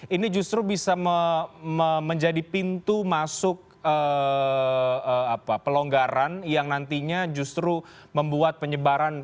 ini justru bisa menjadi pintu masuk pelonggaran yang nantinya justru membuat penyebaran